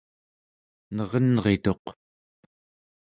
nerenrituq